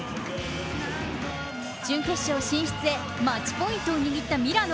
準決勝進出へマッチポイントを握ったミラノ。